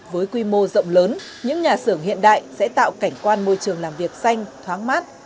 với quy mô rộng lớn những nhà xưởng hiện đại sẽ tạo cảnh quan môi trường làm việc xanh thoáng mát